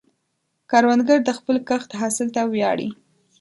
کروندګر د خپل کښت حاصل ته ویاړي